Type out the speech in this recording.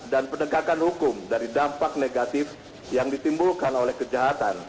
dan penegakan hukum dari dampak negatif yang ditimbulkan oleh kejahatan